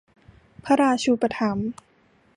พระราชูปถัมภ์